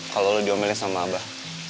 kalau lo diomelin sama abah